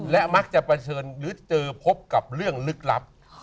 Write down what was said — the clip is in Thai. และมักจะเจอพบกับเรื่องลึกลับ